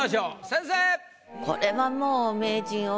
先生！